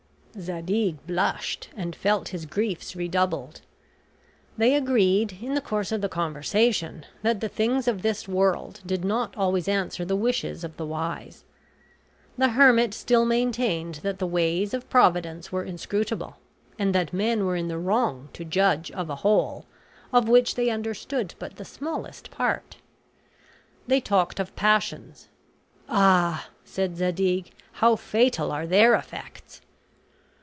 Zadig blushed, and felt his griefs redoubled. They agreed, in the course of the conversation, that the things of this world did not always answer the wishes of the wise. The hermit still maintained that the ways of Providence were inscrutable; and that men were in the wrong to judge of a whole, of which they understood but the smallest part. They talked of passions. "Ah," said Zadig, "how fatal are their effects!"